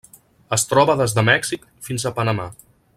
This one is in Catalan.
Es troba des de Mèxic fins a Panamà.